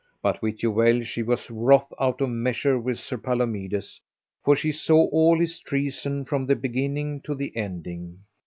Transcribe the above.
But wit you well she was wroth out of measure with Sir Palomides, for she saw all his treason from the beginning to the ending.